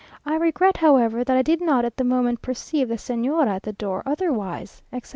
I regret, however, that I did not at the moment perceive the Señora at the door, otherwise," etc.